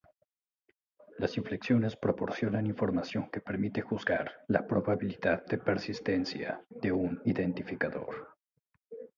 Las inflexiones proporcionan información que permite juzgar la probabilidad de persistencia de un identificador.